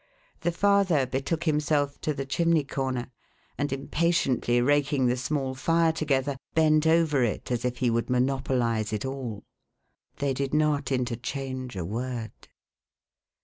The father betook himself to the chimney corner, and impatiently raking the small fire together, bent over it as if he would monopolise it all. They did not interchange a word.